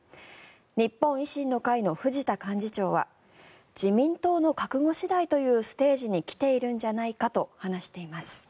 日本維新の会の藤田幹事長は自民党の覚悟次第というステージに来ているんじゃないかと話しています。